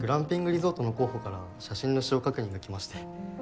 リゾートの広報から写真の使用確認が来まして。